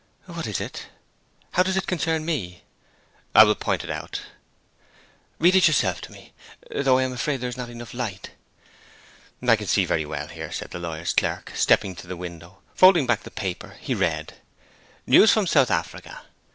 'What is it? How does it concern me?' 'I will point it out.' 'Read it yourself to me. Though I am afraid there's not enough light.' 'I can see very well here,' said the lawyer's clerk stepping to the window. Folding back the paper he read: '"NEWS FROM SOUTH AFRICA.